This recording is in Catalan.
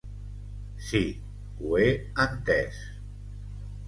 Sí, ho he entès.